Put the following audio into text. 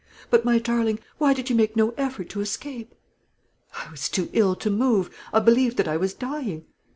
But, my darling, why did you make no effort to escape?" "I was too ill to move; I believed that I was dying."